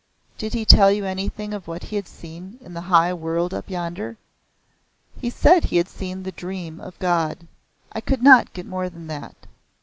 "Did he tell you anything of what he had seen in the high world up yonder?" "He said he had seen the Dream of the God. I could not get more than that.